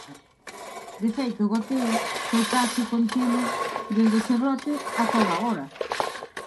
De feito, o goteo foi case continuo desde ese brote ata o de agora.